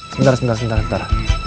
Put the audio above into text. sebentar sebentar sebentar